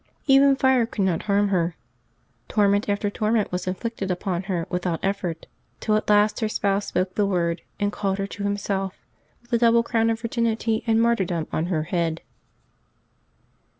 Even fire could not harm her. Torment after torment was inflicted upon her without effect, till at last her Spouse spoke the word and called her to Himself, with the double crown of virginity and martyrdom on her head.